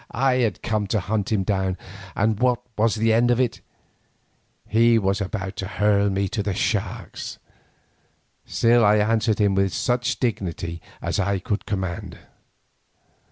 I had come to hunt him down, and what was the end of it? He was about to hurl me to the sharks. Still I answered him with such dignity as I could command.